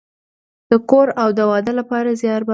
د کور او د واده لپاره زیار باسم